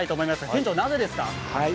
店長、なぜですか？